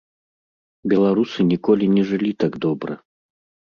Беларусы ніколі не жылі так добра?